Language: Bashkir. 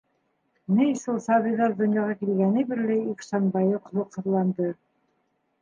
Ней шул сабыйҙар донъяға килгәне бирле Ихсанбайы холоҡһоҙланды.